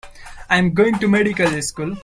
I'm going to medical school.